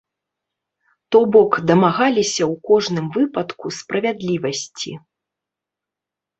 То бок дамагалася ў кожным выпадку справядлівасці.